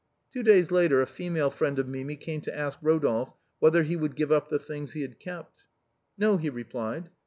Two days later a female friend of Mimi came to ask Ro dolphe whether he would give up the things he had kept. " No/' he replied.